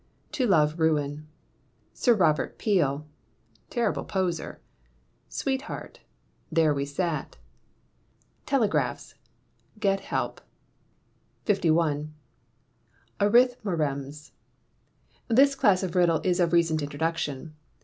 To love ruin. Sir Robert Peel.........Terrible poser. Sweetheart..............There we sat. Telegraphs..............Great helps. 51. Arithmorems. This class of riddle is of recent introduction.